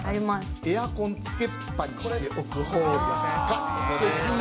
エアコンつけっぱにしておくほうですか？